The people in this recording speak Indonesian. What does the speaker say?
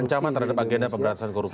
ancaman terhadap agenda pemberantasan korupsi